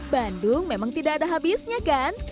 bandung memang tidak ada habisnya kan